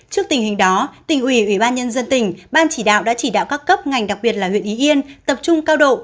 trước tình hình đó tỉnh ủy ủy ban nhân dân tỉnh ban chỉ đạo đã chỉ đạo các cấp ngành đặc biệt là huyện ý yên tập trung cao độ